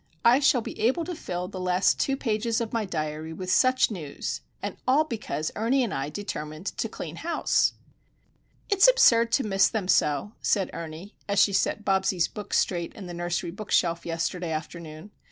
I shall be able to fill the last two pages of my diary with such news,—and all because Ernie and I determined to clean house! "It's absurd to miss them so," said Ernie, as she set Bobsie's books straight in the nursery book shelf yesterday afternoon.